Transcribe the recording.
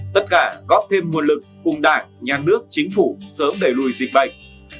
tất cả góp thêm nguồn lực cùng đảng nhà nước chính phủ sớm đẩy lùi dịch bệnh